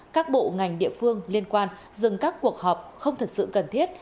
các bộ ngành địa phương liên quan dừng các cuộc họp không thật sự cần thiết